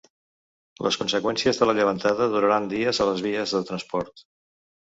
Les conseqüències de la llevantada duraran dies a les vies de transport.